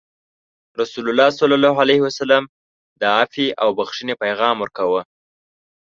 رسول الله صلى الله عليه وسلم د عفوې او بخښنې پیغام ورکوه.